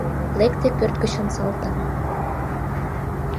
Лекте пӧрт гычын Салтан.